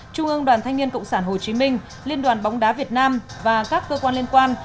trung ương đoàn thanh niên cộng sản hồ chí minh liên đoàn bóng đá việt nam và các cơ quan liên quan